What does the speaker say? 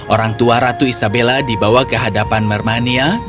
orang tua ratu isabella dibawa ke hadapan mermania